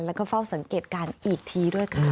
แล้วก็เฝ้าสังเกตการณ์อีกทีด้วยค่ะ